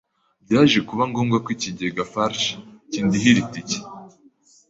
Byaje kuba ngombwa ko ikigega Farg kindihira iti ke